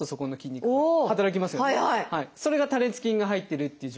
それが多裂筋が入ってるっていう状況です。